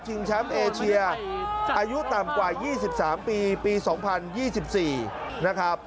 แชมป์เอเชียอายุต่ำกว่า๒๓ปีปี๒๐๒๔นะครับ